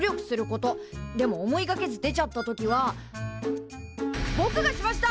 でも思いがけず出ちゃった時は「ぼくがしました！